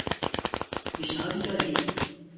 پیشنهادی داری؟